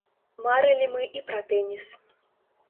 Марылі мы і пра тэніс.